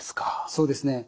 そうですね。